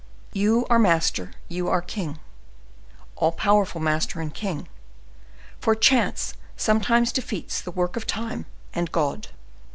You are master, you are king, all powerful master and king, for chance sometimes defeats the work of time and God.